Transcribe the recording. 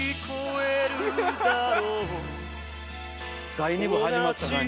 第２部始まった感じの。